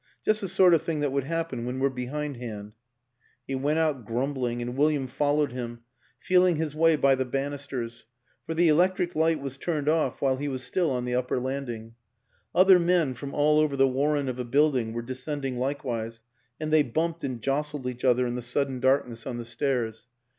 Just the sort of thing that would happen when we're behind hand." He went out grumbling, and William followed him, feeling his way by the banisters, for the electric light was turned off while he was still on the upper landing; other men from all over the warren of a building were descending likewise, and they bumped and jostled each other in the sudden darkness on the stairs.